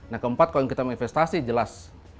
nah keempat kalau kita mau investasi jelas